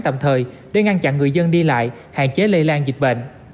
tạm thời để ngăn chặn người dân đi lại hạn chế lây lan dịch bệnh